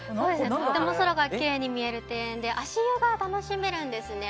とっても空がきれいに見える庭園で足湯が楽しめるんですね。